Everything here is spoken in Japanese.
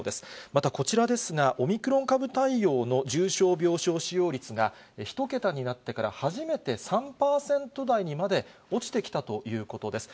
またこちらですが、オミクロン株対応の重症病床使用率が１桁になってから初めて３％台にまで落ちてきたということです。